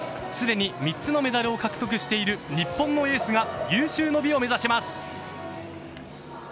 すでに３つのメダルを獲得している、日本のエースが有終の美を目指します。